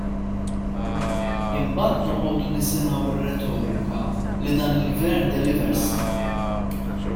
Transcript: Imbagħad noqogħdu nisimgħu r-retorika li dan il-Gvern " delivers "!